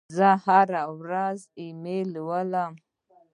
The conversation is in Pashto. زه هره ورځ ایمیل لولم.